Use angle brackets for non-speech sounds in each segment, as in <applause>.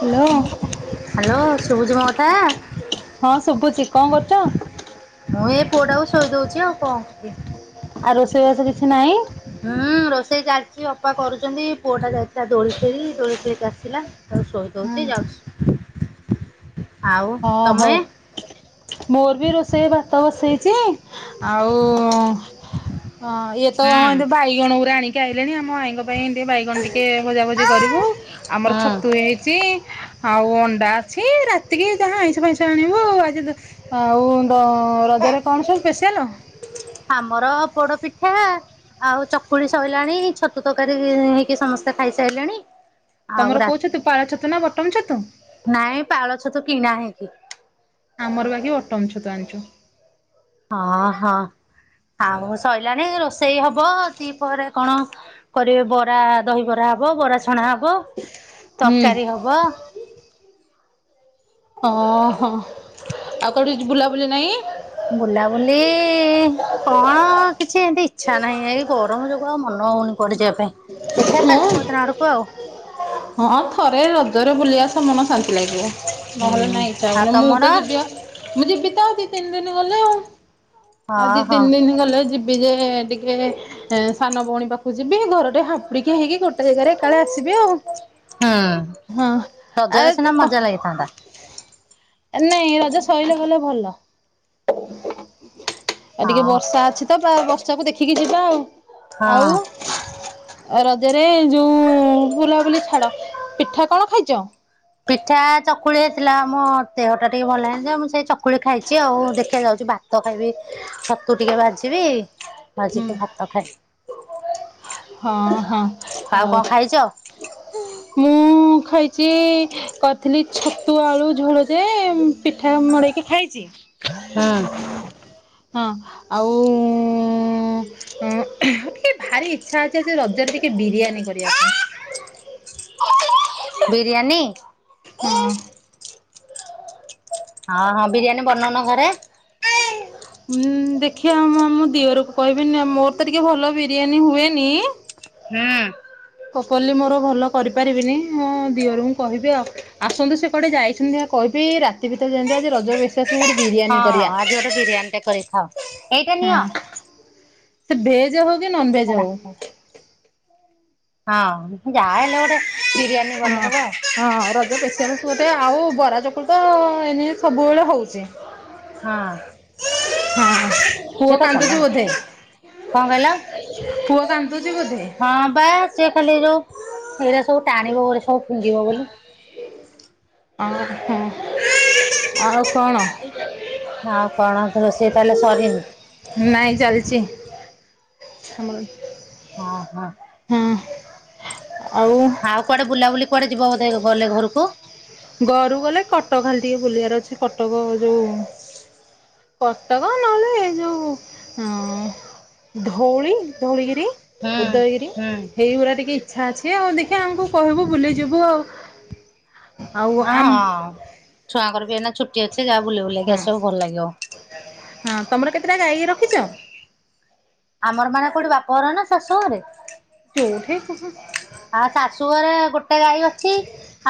Hello. Hello ସଭୁଜି ମୋ ଗଥ କା ହଁ ଶୁଭୁଛି କଣ କରୁଚଁ? ମୁଁ ଏଇ ପୁଅଟାକୁ ଶୋଇ ଦଉଛି ଆଉ କଣ କରି ଆଉ ରୋଷେଇବାସ କିଛି ନାହିଁ? ହୁଁ ରୋଷେଇ ଚାଲ୍ ଅପା କରୁଛନ୍ତି ପୁଅ ଟା ଯାଇଥିଲା ଦୋଳି ଖେଳି ଦୋଳି ଖେଳିକି ଆସିଲା ତାକୁ ଶୋଇ ଦଉଛି ଯାଉଛି। ଆଉ ହଁ ହଉ ତମେ ମୋର ବି ରୋଷେଇ ଭାତ ବସେଇ ତେ ଆଉ ଉଁ ହଁ ଇଏ ତ ହୁଁ ହଁ ଏ ବାଇଗଣଗୁରା ଆଣିକି କିଏ ଆଇଲେଣି ଆମ ଆଇଙ୍ଗ ପାଇଁ ଟିକେ ବାଇଗଣ ଟିକେ ଭଜାଭଜି କରିବୁ। ଆମର ହୁଁ ଛତୁ ହେଇଚିଁ। ଆଉ ଅଣ୍ଡା ଅଛିଁ ରାତ୍ ଏତିକି ଯାହା ଆଇଁଷ ଫାଇଁସ ଆଣିବୁ। ଆଜିତ ଆଉ କଁ ରଜରେ କଣ ସବୁ ସ୍ପେଶିଆଲ? ଆମର ପୋଡ ପିଠା ଆଉ ଚକୁଳି ସଇଲାଣି ଛତୁ ତକାରୀ ହେଇକି ସମସ୍ତେ ଖାଇସାଇଲେଣି। ତମର କୋଉ ଛତୁ ପାଳ ଛତୁ ନା ବଟମ ଛତୁ? କି ଆମର ବାକି ବଟମ ଛତୁ ଆଣିଛୁ। ହଁ ହଁ ଆଉ ସଇଲାଣି ରୋଷେଇ ହବ ଦିପହରେ କଣ କରିବେ ବରା ଦହିବରା ହବ, ବରା ସ ଣା ହବ ହୁଁ। ତରକାରୀ ହବ। ଅ ହ, ଆଉ କଉଠିଛି ବୁଲା ବୁଲି ନାଇଁ। ବୁଲାବୁଲି ଲିଁ କଣ କିଛି ଏମିତି ଇଚ୍ଛା ନାହିଁ ଏଇ ଗରମ ଯୋଗୁ ଆଉ ମନ ହଉନି। କୁଆଡେ ଯିବା ପାଇଁ ଦେଖିବା ହଁ। କାଲି ପର ଦିନ ଆଡକୁ ଆଉ। ହଁ ଥରେ ରଜରେ ବୁଲିଆସ ମନ ଶାନ୍ତି ଲାଗିବ। ନହେଲେ ହୁଁ ନାଇଁ ଆଉ ଇଛାଅଲେ ମୁଁ ତମର? ତ ଯିବି ମୁଁ ଯିବି ତ ଆଉ ଯି ତିନି ଦିନ ଗଲେ ଆଉ। ଆଉ ହଁ ଦି ହଁ ତିନି ଦିନ ଗଲେ ଯିବି ଯେ ଏ -ଏଗ। ଟିକେ ସାନ ଭଉଣୀ ପାଖକୁ ଯିବି ଥରଟେ ହାପୁଡି ଇଏ ହେଇକି ଗୋଟେ ଜାଗାରେ ଏକାଳେ ଆସିବେ ଆଉ। ହୁଁ ହଁ ରଜରେ ସିନା ଆଉ ମଜା ଲାଗିଥାନ୍ତା। ନାଇଁ ରଜ ସଇଲା ପରେ ଭଲ। ଆଉ ଟିକେ ହଁ ବର୍ଷା ଅଛି ତ ବ ସବୁ ଦେଖିକି ଯିବା ଆଉ। ହଁ। ଆଉ ରଜରେ ଯୋଉ ବୁଲାବୁଲି ଛାଡ ପିଠା କଣ ଖାଇଛ? ପିଠା ଚକୁଳି ହେଇଥିଲା ମୋ ଦେହ ଟା ଟିକେ ଭଲ ଭଲନଥିଲା ମୁଁ ସେଇ ଚକୁଳି ଖାଇଛି ଆଉ ଦେଖିଆ ଯାଉଛି ଭାତ ଖାଇବି ଛତୁ ଟିକେ ଭଜିବି ହୁଁ। ଭାଜିକି ଭାତ ଖାଇବି। ହଁ ହଁ ଆଉ କଣ ଖାଇଛ? ମୁଁ ଖାଇ ଆଜି କରିଥିଲି ଛତୁ ଆଳୁ ଝୋଳ ଯେ ପିଠା ମଡେଇକି ଖାଇଛି। ହୁଁ ହଁ ଆଉ ଅ ଏ ଭାରି ରଜରେ ଟିକେ ବିରିଆନୀ କରିବା ପାଇଁ।। ବିରିୟାନୀ। ହଁ। ହଁ ହଁ ବିରିୟାନୀ ବନଉନ ଘରେ। ଉଁ ଦେଖିଆ ମୁଁ ମୋ ଦିଅରକୁ କହିବି ନହେଲେ ମୋର ତ ଟିକେ ଭଲ ବିରିୟାନୀ ହୁଏନି ହୁଁ। ପଲି ମୋର ଭଲ କରିପାରିବିନି ମୋ ଦିଅରଙ୍କୁ କହିବି ଆଉ ଆସନ୍ତୁ ସେ କୁଆଡ଼େ ଯାଇଛନ୍ତି ଆ କହିବି ରାତି ଭିତରେ ଯେନ୍ତି ଆଜି ରଜର ବେଶେସ୍ ହଁ ଆଜି ଗୋଟେ ବିରିୟାନୀ ଟେ କରି ଖାଅ ଏଇଟା ହଁ। ନିଅ। ସେ ଭେଜ୍ ହଉ ନନ୍ ଭେଜ୍ ଏଟା ହଉ। ହଁ ଯାହେଲେ ଗୋଟେ ବିରିୟାନୀ ହଁ ବନେଇଦବ ଆଉ ହଁ ରଜ ସ୍ପେସିଆଲ୍ ଗୋଟେ ଆଉ ବରା ଚ ତ ଏମିତି ସବୁବେଳେ ହଉଛି।। ହଁ ହଁ ପୁଅ ସେ ତ କାନ୍ଦୁଛି କଲାନି ବୋଧେ କଣ କହିଲ ପୁଅ କାନ୍ଦୁଛି ବୋଧେ। ହଁ ବା ସେ ଖାଲି ଯୋଉ ଏଇଟା ସବୁ ଟାଣିବ ବୋଲି ସବୁ ଫିଙ୍ଗିବ ବୋଲି। ଓ ଆଁ ହାଁ। ଆଉ ଆଉ କଣ ରୋଷେଇ ତାହେଲେ ସରିନି? ଚାଲିଚି। ହଁ ହଁ। ହୁଁ। ହଉ କୁଆଡେ ବୁଲାବୁଲି କଆଡେ ଯିବ ବୋଧେ ଗଲେ ଘରକୁ? ଗରୁ ଗଲେ କଟକ ଖାଲି ଟିକେ ବୁଲିବାର ଅଛି କଟକ ଯୋଉ କଟକ ନହେଲେ ଯୋଉ ଅ ଧଉଳି ଧଉଳିିଗିରି। ହୁଁ ଉଦୟଗିରି ହୁଁ ହେଇଗୁଡା ଟିକେ ଇଛା ଅଛି ଆଉ ଆଉ ଦେଖିବା ଆମକୁ କହିବୁ ବୁଲିଯିବୁ ଆଉ। ଆଉ ହଁ ଆମ ଛୁଆଙ୍କର ବି ଏନା ଛୁଟି ଅଛି। ସେ ଯା ବୁଲି ହଁ ବୁଲାକି ଆସିବ ଭଲ ଲାଗିବ। ହଁ ତମର କେତେଟା ଗାଈ? ରଖିଛ। ଆମର ମାନେ କୋଉଠି ବାପ ଘର ନା ଶାଶୁ ଘରେ? ଜୋଉଠି <unintelligible> ଆଉ ଶାଶୁ ଘରେ ଗୋଟେ ଗାଈ ଅଛି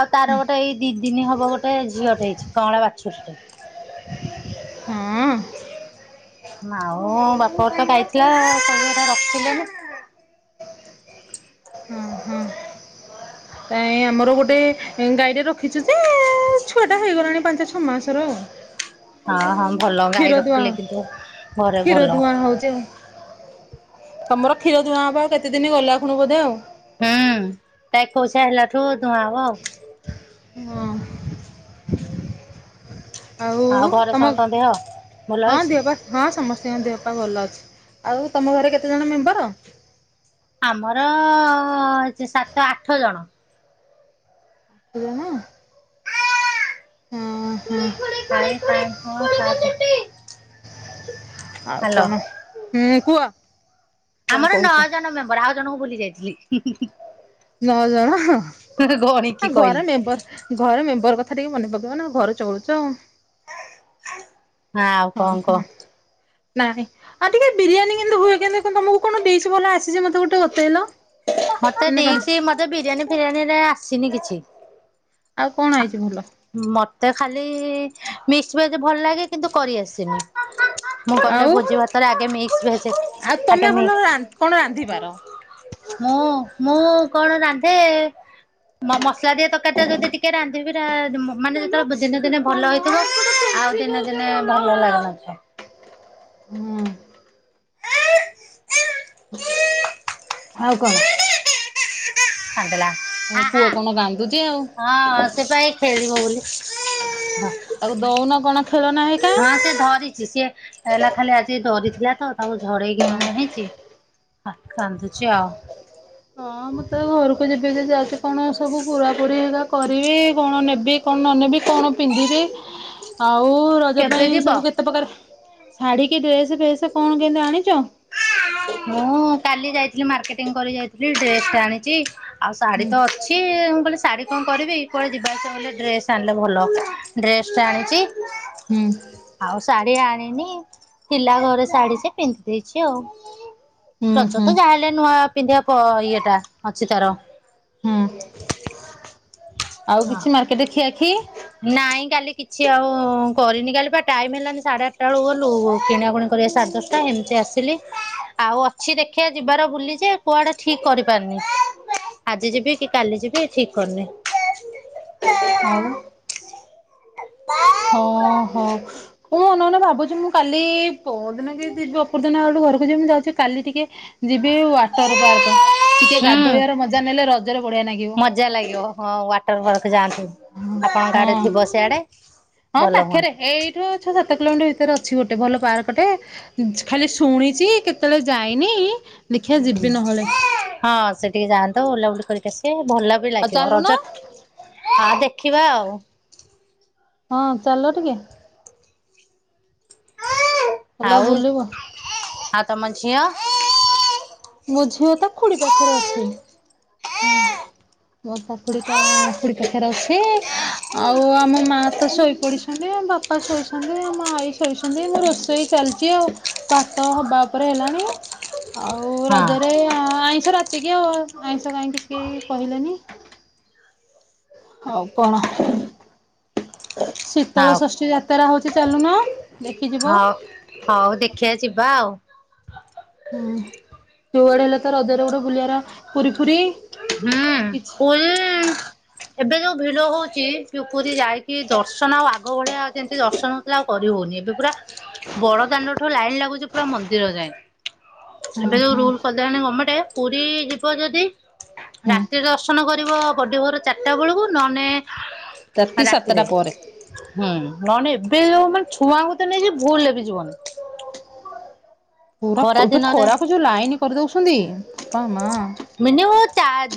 ଆଉ ତାର ଗୋଟେ ଏଇ ଦି ଦିନି ହବ ଗୋଟେ ଝିଅଟେ ହେଇଛି କଁଳା ବାଛୁରୁରୀଟେ। ହଁ। ମାଉ ବାପ ଘର ତ ଖାଇଥିଲା <unintelligible> ରଖିଲେନି। ହୁଁ ହୁଁ। ନାଇ ଆମର ଗୋଟେ ଗାଈଟେ ରଖିଛୁ। ଯେ ଛୁଆଟା ହେଇଗଲାଣି ପାଞ୍ଚ ଛଅ ମାସର ହଁ ଆଉ। ହଁ ଭଲ କ୍ଷୀର ଗାଈ ଦୁଆଁ ରଖିଲେ କିନ୍ତୁ ଘରେ କ୍ଷୀର ଭଲ। ଦୁଆଁ ହଉଛି ଆଉ। ତମର କ୍ଷୀର ଦୁଆଁ ହେବା ଆଉ କେତେ ଦିନ ଗଲା ଖୁଣୁ ବଧେ ଆଉ। ହୁଁ ତା ଏକୋଇଶିଆ ହେଲାଠୁ ଧୂଆଁ ହବ ଆଉ। ହଁ। ଆଉ ଘରେ ସମସ୍ତ ଦେହ ଭଲ ଅଛି? ସିଂ ଦେହପା ଭଲ ଅଛି ଆଉ ତମ ଘରେ କେତେଜଣ ମେମ୍ବର? ଆମର ସାତ ଆଠ ଜଣ। ଏତେଜଣ! ହଁ <inaudible> ଆଉ ହାଲୋ। କଣ ହୁଁ କୁଅ। ଆମର ନଅ ଜଣ ମେମ୍ବର ଆଉ ଜଣଙ୍କୁ ଭୁଲି ଯାଇଥିଲି। ହୁଁଁ ହୁଁ ହୁଁ। ନଅ ଜଣ ଗଣିକି ଘର କହିଲି। ମେମ୍ବର ଘର ମେମ୍ବର କ କଥା ଟିକେ ମନେ ପକେଇିବ ନା ଘର ଚଳୁଚ। ଆଉ ହଁ କଣ କହ ହଁ ନାଇଁ ଆଉ ଟିକେ ବିରିୟାନୀ କେନ୍ତୁ ହୁଏ କେ ତମକୁ କଣ ଦେଇଛି ଭଲ ଆସିଛି ମତେ ଗୋଟେ ଗତେଇଲା। ମତେ ଦେଇଛି ମତେ ତ ବିରିୟାନୀ ଫିରିୟାନୀ ରେ ଆସିନି କିଛି। ଆଉ କଣ ଆଇଛି ମୁଲ ତ ଖାଲି ମିକ୍ସ ଭେଜ ଭଲ ଲାଗେ କିନ୍ତୁ କରିଆସିନି। ମୁଁ କଲେ ଆଉ ଭୋଜି ଭାତରେ ଆଗେିକ୍ସ ଭଜେ ଆଉ ତମେ ଭଲ ଆଗେକସ ରା କଣ ରାନ୍ଧିପାର ମୁଁ କଣ ରାନ୍ଧେ ମସଲା ଦିଏ ତରକାରୀ ଟ ଯଦି ଟିକେ ରାନ୍ଧିବି ମାନେ ଯେତେବେଳେ ଦିନେ ଦିନେ ଭଲ ହେଇଥିବ ଆଉ ଦିନେ ଦିନେ ଭଲ ଲାଗନ ହଁ ଆଉ କଣ ତମ ହଁ ପୁଅ କଣ କାନ୍ଦୁଛି ସେ ଆଉ ଖ ହ ବଲି ଆଉ ଦଉନ କଣ? ଖେଳନା ହେଇକା ହଁ ସେ ଧରିଛି ସିଏ ହେଲା ଖାଲି ଆଜି ଧରି ଥିଲା ତ ତାକୁ ଝଡେଇକି ଆଣ ହେଇଛି କାନ୍ଦୁଚ ଆଉ। ହଁ ମୁଁ ତ ଘରକୁ ଯେବେ ଯ କଣ ସବୁ ପୁରାପୁରି କରିବି କଣ ନେବି କଣ ନନେବି କଣ ପିନ୍ଧିବି ଆଉ ରଜ କେବେ ପାଇଁ ଯିବ? ସବୁ କେତେ ପ୍ରକାର ଶାଢୀ କି ଡ୍ରେସ ଫେସ କଣ କେମନ୍ତୁ ଆଣିଛ। ମୁଁ କାଲି ଯାଇଥିଲି ମାର୍କେଟିଂ କରି ଯାଇଥିଲି ଡ୍ରେସ ଟା ଆଣିଛି ଆଉ ଶାଢୀ ହୁଁ ତ ଅଛି ମୁଁ କହିଲି ଶାଢୀ କଣ କରିବି କୁଆଡେ ଯିବା ଆସିବା ଗଲେ ଡ୍ରେସ ଆଣିଲେ ଭଲ ଡ୍ରେସ ଟେ ଆଣିଛି। ହୁଁ ଆଉ ଶାଢୀ ଆଣି ପିଲା ଘରେ ଶାଢୀ ସେ ପିନ୍ଧି ଦେଇଛି ଆଉ ହୁଁ ରଜ ହୁଁ ତ ଯାହା ହେଲେ ନୂଆ ପିନ୍ଧିବା ପ ଇଏଟା ଅଛି ତାର ହୁଁ ଆଉ କିଛି ମାର୍କେଟରେ ଖିଆ ନାଇଁ କାଇଁ କାଲି କିଛି ଆଉ କରିନି କାଲି ଟାଇମ ହେଲାନି ସାଢ଼େ ଆଠଟା ବେଳକୁ ଗଲୁ କିଣାକୁୁଣି କରିବା ସାଢ଼େ ଦଶଟା ଏମିତି ଆସିଲି ଆଉ ଅଛି ଦେଖିବା ଯିବାର ବୁଲି ଯେ କୁଆଆଡେ ଠିକ୍ କରିପାରନି ଆଜି ଯିବି କି କାଲି ଯିବି ଠିକ କରିନି ଆଉ ହଁ ହୋ ମୁଁ ଅନନେ ମନେ ଭାବୁଛି ମୁଁ କାଲି ପଉ ଦିନ କେ ଯିବି ଓପଦିନ ଆଉ ଘରକୁ ଯମିତି ଯାଉଛି କଲି ଟିକେ ଯିବ ୱାଟର ପାର୍କ ଟିକେ ହୁଁ ଗାଧୋଇବାର ମଜା ନେଲେ ରଜରେ ବଢିଆ ଲାଗିବ ମଜା ଲାଗିବ ହଁ ୱାଟର ପାର୍କ ଯାଆନ୍ତୁ ଆପଣଙ୍କ ହଁ। ଆଡେ ଥିବ ସିଆଡେ ହଁ ଭଲ ପାଖରେ ହୁଅନ୍ତା ଏଇଠୁ ଛଅ ସାତ କିଲୋମିଟର ଭିତରେ ଅଛି ଗୋଟେ ଭଲ ପାର୍କଟେ ଖାଲି ଶୁଣିଛି କେତେବେଳେ ଯାଇନି ଦେଖିବା ହୁଁ ଯିବି ନହେଲେ। ହଁ ସେ ଟିକେ ଯାଆନ୍ତୁ ିକ ସେ <unintelligible> ଭଲ ବି ଆଉ ଲାଗିବ ଚାଲୁନ ରଜ ହ ଦେଖିବା ଆଉ। ହଁ ଚାଲ ଟିକେ। ହଁ <unintelligible> ହେଲା ବୁଲିବ। ତମଝିଅ ମଝିଅ ତା ଖୁଡିୀ ପାଖରେ ଅଛି। ହଁ ମୋ ତା କୁଡି ପାଖରେ ଅଛି। ଆଉ ଆମ ମା ତ ଶୋଇପଡିସଛନ୍ତି ଆ ବାପା ଶୋଇଛନ୍ତି ମାଇ ଶୋଇଛନ୍ତି ମୁଁ ରୋଷେଇ ଚାଲିଛି ଆଉ ଭାତ ହବା ଉପରେ ହେଲାଣି। ଆଉ ହଁ ରଜରେ ଆଇଁଷ ରାତିକି ହ ଆଜ୍ା <unintelligible> ତ କାହିଁ କିଛି କହିଲେନି। ଆଉ କଣ। ଶୀତଳ ହଉ ଷଷ୍ଠୀ ଯାତ୍ରା ହଉଛି ଚାଲୁନ ଦେଖି ଯିବ। ହଉ ହଉ ଦେଖିବା ଯିବା ଆଉ ହୁଁ ଯୋଉଆଡେ ହେଲେ ତ ରଜରେ ଗୋଟେ ବୁଲିବାର ପୁରୀ ଫୁରି ହୁଁ ପଲ ଏବେ ଯୋଉ ଭିଡ ହଉଛି କି ପୁରୀ ଯାଇକି ଦର୍ଶନ ଆଉ ଆଗ ଭଳିଆ ଯେମିତି ଦର୍ଶନ ଆଉ କରି ହଉନି ଏବେ ପୁରା ବଡ ଦାଣ୍ଡ ଠୁ ଲାଇନ ଲାଗୁଛି ପୁରା ମନ୍ଦିର ଯାଏ ହୁଁ ଏବେ ଯୋଉ ହୁଁ ରୁଲ କଦଣି ଗଣମେଣ୍ଟ ପୁରୀ ଯିବ ଯଦି ହୁଁ ରାତିରେ ଦର୍ଶନ କରି ପଡ଼ିବ ବଡ଼ିବର ଚାରିଟା ବେଳକୁ ନହେଲେ ରାତି ସାତଟା ଆ ାକ୍ତିରେ ପରେ ହୁଁ ନନେ ଏ ଯୋଉ ମାନେ ଛୁଆଙ୍କ ତେ ନେଇଛି ଭୁଲ ହେବି ଜୀବନ ପୁରା ଏବେ ଖରାକୁ ଯୋଉ ଲାଇନ କରିଦଉଛନ୍ତି ବୋପା ମା ମିନିମ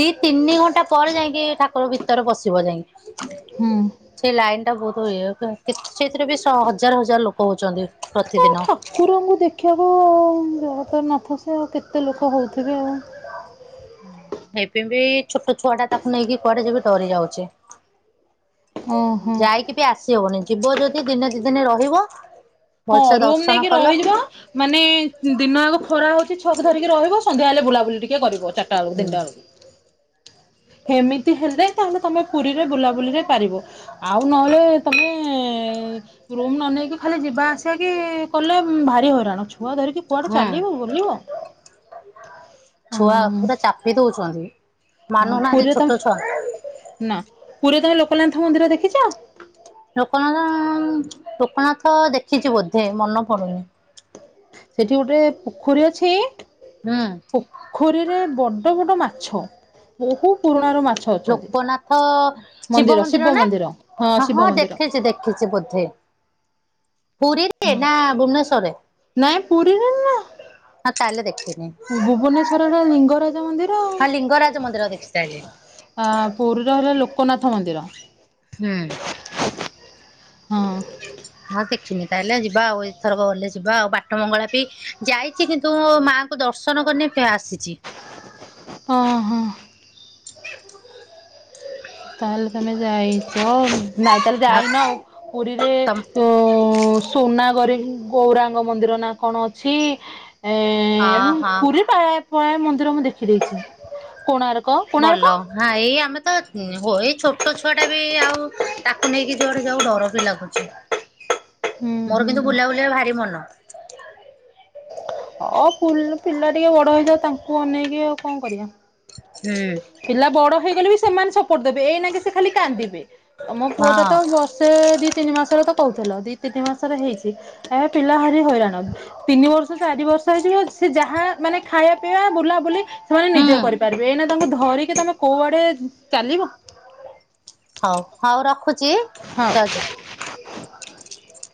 ଦି ତିନି ଘଣ୍ଟା ପରେ ଯାଇକି ଠର ଭିତରେ ବସିବ ଯାଇକି ହୁଁ ଏଇଟା ବହୁତ ହୁଏ ସେଇଥିରେ ବି ହଜାର ହଜାର ଲୋକ ହଉଛନ୍ତି ତ ପ୍ରତିଦିନ। ଠାକୁରଙ୍କୁ ଦେଖିବାକୁ ଯ ତ ନଥ ସେ ଆଉ କେତେ ଲୋକ ହଉଥିବେ ଆଉ ଏଇପ ବି ଛୋଟ ଛୁଆ ଟା ତାକୁ ନେଇକି କୁଆଡେ ଯେବେ ଡରି ଯାଉଛି ଓହୋ ଯାଇକି ବି ଆସିହବନି ଯିବ ଯଦି ଦିନେ ଦ ଦିନେ ରହିବ ହଁ ଭଲସେ ରୁମ ଦର୍ଶନ ନେଇକି କଲ। ରହିଯିବ ମାନେ ଦିନ ଆଗ ଖରା ହଉଛି ଛକ ଧରିକି ରହିବ ସନ୍ଧ୍ୟା ହେଲେ ବୁଲାବ କିଏ କରିବ ଚାରିଟା ବେକୁ ହୁଁ ତିନଟା ବେଳକୁ ଏମିତି ହେଲେ ତାହେଲେ ତମେ ପୁରୀରେ ବୁଲାବୁଲିରେ ପାରିବ ଆଉ ନହେଲେ ତମେ ରୁମ ନ ନେଇକି ଖାଲି ଯିବା ଆ ସୋ କି କଲେ ଭାରି ହଇରାଣୁଛୁ କୁଅ ଧରିକି କୁଆଟେ ହୁଁ ଚାଲିବୁ ବୁଲିବ ଛୁଆ ହଁ ପୁରା ଚାପି ଦଉଛନ୍ତି। ହଁ ମାନୁନାହାନ୍ତି ପୁରୀରେ ଛୋଟ ଛୁଆ। ତମେ ନା ପୁରୀରେ ତମେ ଲୋକ ଅୋକନାଥ ମନ୍ଦିର ଦେଖିଛ ଲୋକନାଥ ଲୋକନାଥ ଦେଖିଛି ବୋଧେ ମନ ପଡୁନି ସେଠି ଗୋଟେ ପୋଖରୀ ଅଛି ହୁଁ ପୋଖରୀରେ ବ ବୋଟ ବଟ ମାଛ ବହୁ ପୁରୁଣ ର ମାଛ ଅଛନ୍ତି ଲୋକନାଥ ଶିବ ମନ୍ଦିର ନା ହ ହଁ ଦେଖିଛି ଦେଖିଛି ବୋଧେ ପୁରୀରେ ନା ଭୁବନେଶ୍ୱରରେ ପୁରୀ ଭୁବନେଶ୍ଵର ଲିଙ୍ଗରାଜ ମନ୍ଦିର ଆଉ ହଁ ଲିଙ୍ଗରାଜ ମନ୍ଦିର ଦେଖି ତାହେଲେ। ଆ ପୁରୀରେ ହେଲା ଲୋକନାଥ ମନ୍ଦିର ହୁଁ ହଁ ହଁ ଦେଖିନ ତାହେଲେ ଯିବା ଆଉ ଏଥରକ ଗଲେ ଯିବା ଆଉ ପାଠ ମଙ୍ଗଳା ବି ଯାଇଛି କିନ୍ତୁ ମାଆଙ୍କୁ ଦର୍ଶନ କରିନ ଆସିଛି ହଁ ହୋ ତାହେଲେ ତମେ ଯାଇଛ ନାଇଁ ତାହଲେ ଯାଇନ ଆ ପୁରୀରେ ତମ ସୁନା କରେ ଗୌରାଙ୍ଗ ମନ୍ଦିର ନା କଣ ଅଛି ହ ହ କ ମନ୍ଦି ମୁଁଖି ଦେଇଛି କଣାର୍ କ କଣାର୍ କ ହୁଁ ହୋ ଏଇ ଛୋଟ ଛୁଆ ଟା ବି ଆଉ ତାକୁ ନେଇକି ଯୁଆଡେ ଯାଉ ଡର ବି ଲାଗୁଛି ହୁଁ ମୋର କିନ୍ତୁ ହୁଁ ବୁଲାବୁଲି ଭାରି ମନ ଅ ପିଲା ଟିକେ ବଡ ହେଇଥା ତାଙ୍କୁ ଅନେଇକି ଆଉ କଣ କରିବା ହୁଁ ପିଲା ବଡ ହେଇଗଲେ ବି ସେମାନେ ସବ କରିଦେବେ ଏଇ ନ କିି ସେ ଖା କାନ୍ଦିବେ ତ ମୋ ପୁଅ ହଁ ଟା ତ ବର୍ଷେ ଦି ତିନି ମାସରେ କହୁଥିଲ ଦି ତିନି ମାସରେ ହେଇଛି ଏବେ ପିଲା ହାରି ହଇଲାଣ ତିନି ବର୍ଷ ଚାରି ବର୍ଷ ହେଇଛି ସେ ଯାହା ମାନେ ଖାଇବା ପିଇବା ବୁଲାବୁଲି ସେମାନେ ନିଜେ ହୁଁ କରିବେ କାଇ ତାଙ୍କୁ ଧରିକି ତମେ କୋଉଆଡେ ଚାଲିବ ହଉ ହଉ ରଖୁଛି ହଁ। <unintelligible>